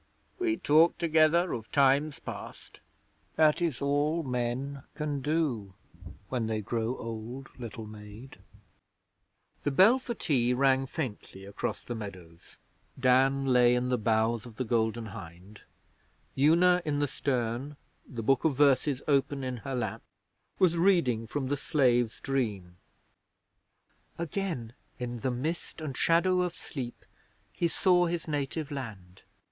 'We talked together of times past. That is all men can do when they grow old, little maid.' The bell for tea rang faintly across the meadows. Dan lay in the bows of the Golden Hind; Una in the stern, the book of verses open in her lap, was reading from 'The Slave's Dream': 'Again, in the mist and shadow of sleep, He saw his native land.'